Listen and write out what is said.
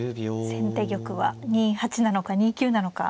先手玉は２八なのか２九なのか。